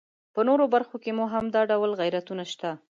په نورو برخو کې مو هم دا ډول غیرتونه شته.